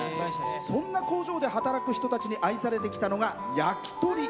そんな工場で働く人たちに愛されてきたのがやきとり。